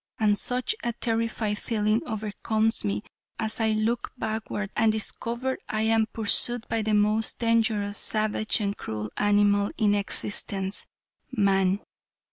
And such a terrified feeling overcomes me as I look backward and discover I am pursued by the most dangerous, savage and cruel animal in existence man.